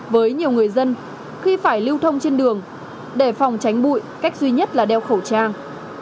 với nhiều người dân khi phải lưu thông trên đường để phòng tránh bụi cách duy nhất là đeo khẩu trang